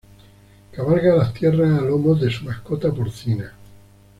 Cabalga las tierras a lomos de su mascota porcina.